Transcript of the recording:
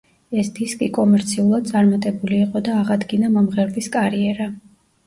ეს დისკი კომერციულად წარმატებული იყო და აღადგინა მომღერლის კარიერა.